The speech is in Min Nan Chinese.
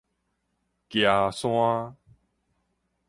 岐山